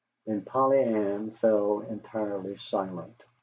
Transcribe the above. Then Polly Ann fell entirely silent.